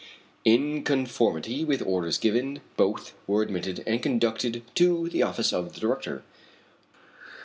In conformity with orders given, both were admitted and conducted to the office of the director.